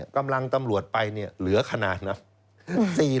กำลังตำรวจไปเหลือขนาดนั้น